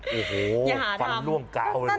โอ้โหฟันล่วงกาวเลยนะ